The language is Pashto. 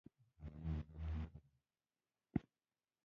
دا د یوه ملت د تباهۍ لپاره هره ورځ تولیدیږي او مصرفیږي.